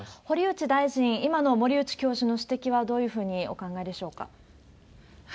堀内大臣、今の森内教授の指摘はどういうふうにお考えでしょうか？